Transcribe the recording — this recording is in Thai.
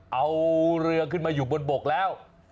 เอาเรือขึ้นมาอยู่บนบกแล้ว